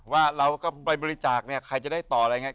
ว่าเราก็ไปบริจาคเนี่ยใครจะได้ต่ออะไรอย่างนี้